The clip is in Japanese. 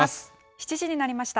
７時になりました。